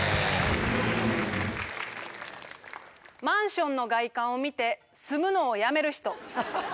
マンションの外観を見て住むのをやめる人。